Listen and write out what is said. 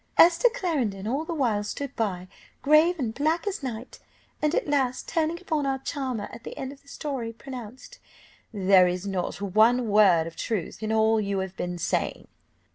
Esther Clarendon all the while stood by, grave and black as night, and at last turning upon our charmer at the end of the story, pronounced, 'There is not one word of truth in all you have been saying!